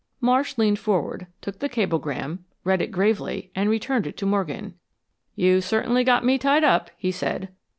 Marsh leaned forward, took the cablegram, read it gravely, and returned it to Morgan. "You have certainly got me tied up," he said.